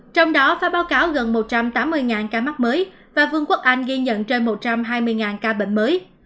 trong đó phải báo cáo gần một trăm tám mươi ca mắc mới và vương quốc anh ghi nhận trên một trăm hai mươi ca bệnh mới